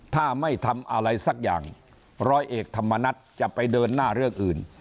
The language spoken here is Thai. ถ้าไม่ทำอะไรสักอย่างร้อยเอกธรรมนัฏจะไปเดินหน้าเรื่องอื่น